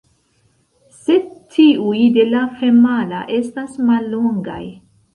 Sed tiuj de la femala estas mallongaj.